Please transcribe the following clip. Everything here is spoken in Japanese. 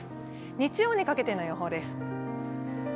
日曜にかけての予報です。